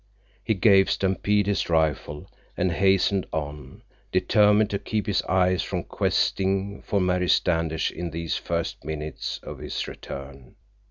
He gave Stampede his rifle and hastened on, determined to keep his eyes from questing for Mary Standish in these first minutes of his return.